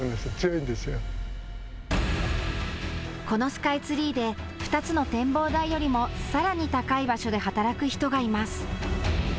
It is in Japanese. このスカイツリーで２つの展望台よりもさらに高い場所で働く人がいます。